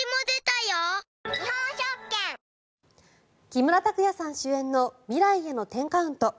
木村拓哉さん主演の「未来への１０カウント」。